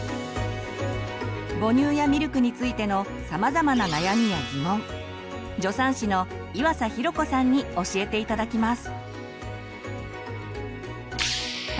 母乳やミルクについてのさまざまな悩みやギモン助産師の岩佐寛子さんに教えて頂きます。